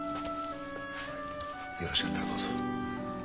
よろしかったらどうぞ。